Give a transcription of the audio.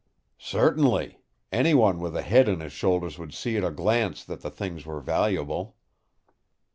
"Certainly! Anyone with a head on his shoulders would see at a glance that the things were valuable."